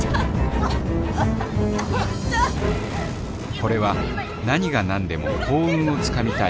これは何が何でも幸運を掴みたい